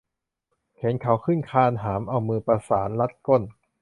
เห็นเขาขึ้นคานหาม เอามือประสานรัดก้น